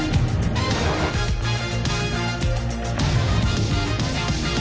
ผมเป็นคนเขียนไทยลัฐธรรมดี